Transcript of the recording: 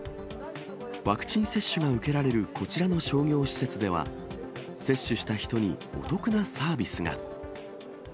ワクチン接種が受けられるこちらの商業施設では、接種した人にお得なサービスが。